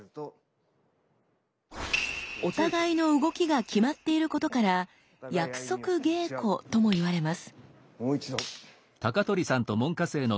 お互いの動きが決まっていることから「約束稽古」とも言われます。